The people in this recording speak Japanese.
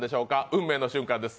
運命の瞬間です